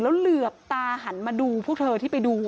แล้วเหลือบตาหันมาดูพวกเธอที่ไปดู